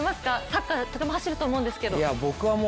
サッカー、とても走ると思うんですけども。